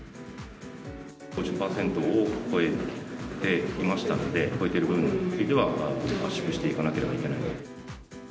５０％を超えていましたので、超えてる分については圧縮していかなければいけないと。